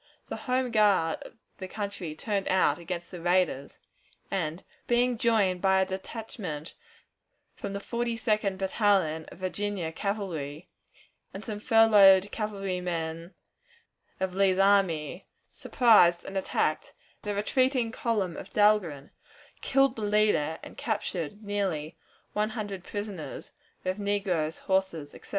The home guard of the country turned out against the raiders, and, being joined by a detachment from the Forty second Battalion of Virginia Cavalry and some furloughed cavalry men of Lee's army, surprised and attacked the retreating column of Dahlgren, killed the leader, and captured nearly one hundred prisoners, with negroes, horses, etc.